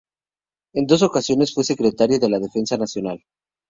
En dos ocasiones fue Secretario de la Defensa Nacional.